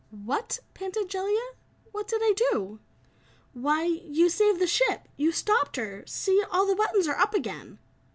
"What?" panted Jellia. "What did I do?" "Why, you saved the ship. You stopped her. See, all the buttons are up again!"